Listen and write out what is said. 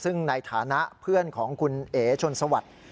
ซึ่งในฐานะเพื่อนของคุณเอ๋ชนสวัสดิ์